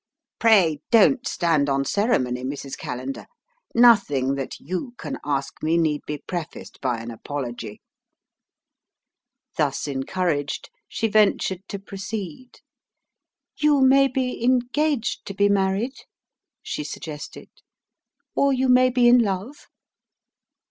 "Pray don't stand on ceremony, Mrs. Callender. Nothing that you can ask me need be prefaced by an apology." Thus encouraged, she ventured to proceed. "You may be engaged to be married?" she suggested. "Or you may be in love?"